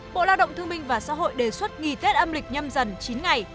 bộ lao động thương minh và xã hội đề xuất nghỉ tết âm lịch nhâm dần chín ngày